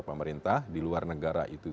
pemerintah di luar negara itu